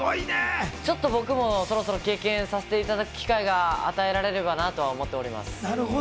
ちょっと僕もそろそろ経験させていただく機会が与えられればなと思っております。